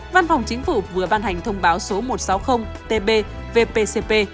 văn phòng chính phủ vừa ban hành thông báo số một trăm sáu mươi tb vpcp